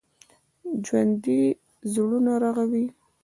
ژوندي زړونه رغوي